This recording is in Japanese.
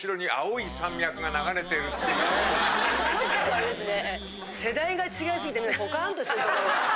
あれですね。